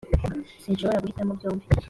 sinshobora guhitamo byombi